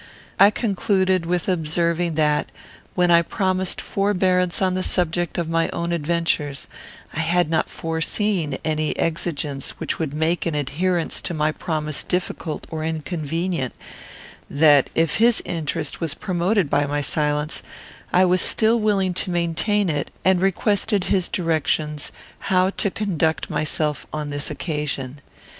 I concluded with observing that, when I promised forbearance on the subject of my own adventures, I had not foreseen any exigence which would make an adherence to my promise difficult or inconvenient; that, if his interest was promoted by my silence, I was still willing to maintain it, and requested his directions how to conduct myself on this occasion.